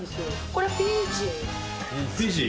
これフィジー。